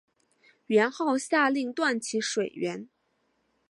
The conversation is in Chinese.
元昊下令断其水源。